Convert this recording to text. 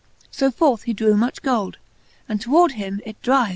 So forth he drew much gold, and toward him it drive.